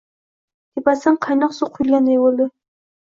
Tepasidan qaynoq suv quyilganday bo'ldi.